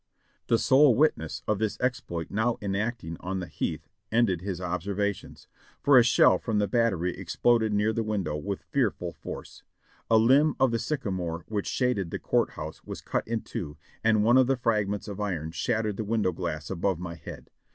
The sole witness of this exploit now enacting on the heath ended his observations, for a shell from the battery exploded near the window with fearful force ; a limb of the sycamore whicn shaded the court house was cut in two. and one of the fragments of iron shattered the window glass above my head.